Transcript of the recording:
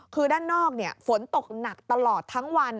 คือด้านนอกฝนตกหนักตลอดทั้งวัน